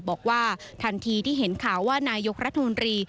บอกว่าทันทีที่เห็นข่าวว่านายกรัฐมนตรี